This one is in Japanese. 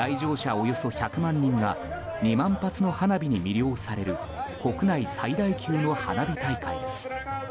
およそ１００万人が２万発の花火に魅了される国内最大級の花火大会です。